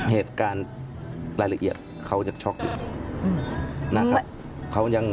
เหตุการณ์รายละเอียดเขายังช็อกถึง